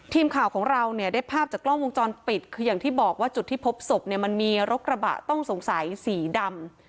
ทีมข่าวของเราเนี่ยได้ภาพจากกล้องวงจรปิดคืออย่างที่บอกว่าจุดที่พบศพเนี่ยมันมีรถกระบะต้องสงสัยสีดำ